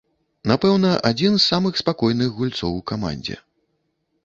Напэўна, адзін з самых спакойных гульцоў у камандзе.